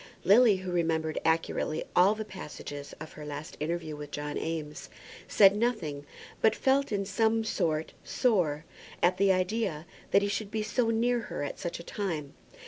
Lily, who remembered accurately all the passages of her last interview with John Eames, said nothing, but felt, in some sort, sore at the idea that he should be so near her at such a time.